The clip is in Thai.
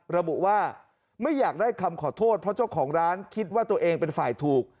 ระบุว่าไม่อยากได้คำขอโทษเพราะเจ้าของร้านคิดว่าตัวเองเป็นฝ่ายถูก